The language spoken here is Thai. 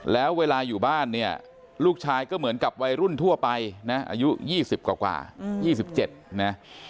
แล้วเวลาอยู่บ้านเนี่ยลูกชายก็เหมือนกับวัยรุ่นทั่วไปนะอายุยี่สิบกว่ากว่ายี่สิบเจ็ดนะ